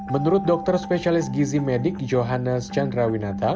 menurut dokter spesialis gizi medik johannes chandrawinata